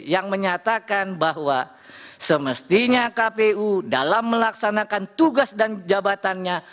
yang menyatakan bahwa semestinya kpu dalam melaksanakan tugas dan jabatannya